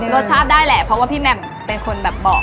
รสชาติได้แหละเพราะว่าพี่แหม่มเป็นคนแบบบอก